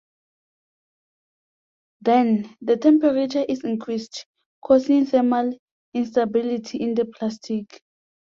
Then, the temperature is increased, causing thermal instability in the plastic.